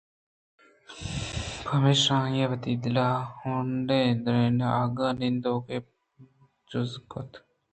پمیشا آہاں وتی دلاں ہونڈاں درنہ آہگ ءُ نندگے جزم کُت